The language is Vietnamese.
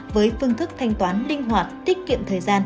với phương thức thanh toán linh hoạt tiết kiệm thời gian